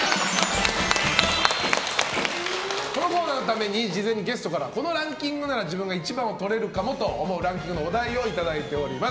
このコーナーのために事前にゲストからこのランキングなら自分が１番をとれるかもと思うランキングのお題をいただいております。